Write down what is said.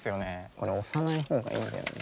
これ押さない方がいいんだよね。